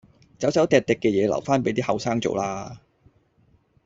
走走糴糴嘅嘢留返俾啲後生做啦